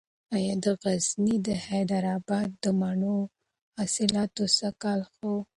ایا د غزني د حیدر اباد د مڼو حاصلات سږکال ښه و؟